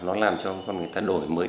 nó làm cho con người ta đổi mới